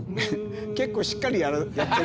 結構しっかりやってるね。